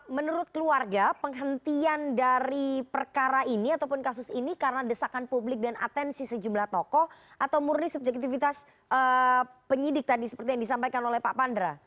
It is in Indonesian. menurut keluarga penghentian dari perkara ini ataupun kasus ini karena desakan publik dan atensi sejumlah tokoh atau murni subjektivitas penyidik tadi seperti yang disampaikan oleh pak pandra